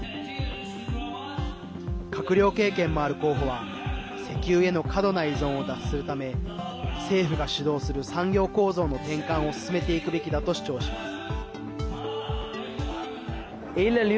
閣僚経験もある候補は石油への過度な依存を脱するため政府が主導する産業構造の転換を進めていくべきだと主張します。